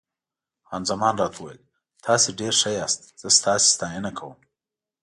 خان زمان راته وویل: تاسي ډېر ښه یاست، زه ستاسي ستاینه کوم.